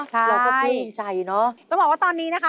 เราก็ภูมิใจเนอะต้องบอกว่าตอนนี้นะคะ